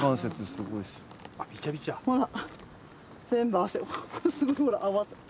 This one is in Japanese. すごいほら。